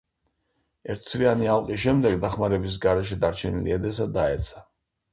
ერთთვიანი ალყის შემდეგ, დახმარების გარეშე დარჩენილი ედესა დაეცა.